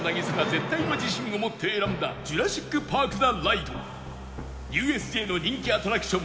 絶対の自信を持って選んだジュラシック・パーク・ザ・ライドはＵＳＪの人気アトラクション